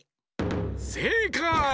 せいかい！